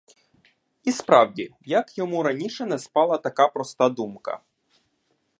І справді, як йому раніше не спала така проста думка?